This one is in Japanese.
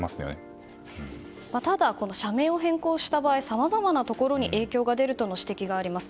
ただ、社名を変更した場合さまざまなところに影響があると指摘されています。